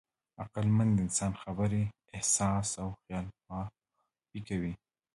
عقلمن انسان خبرې، احساس او خیالبافي کوي.